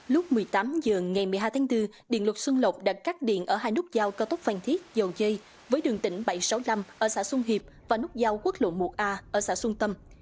lúc một mươi tám h ngày một mươi hai tháng bốn điện lực xuân lộc đã cắt điện ở hai nút giao cao tốc phan thiết dầu dây với đường tỉnh bảy trăm sáu mươi năm ở xã xuân hiệp và nút giao quốc lộ một a ở xã xuân tâm